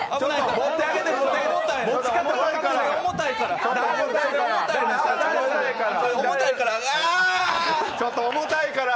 持ってあげて、重たいから。